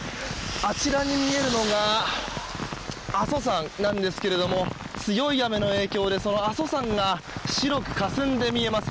あちらに見えるのが阿蘇山なんですけども強い雨の影響で、その阿蘇山が白くかすんで見えます。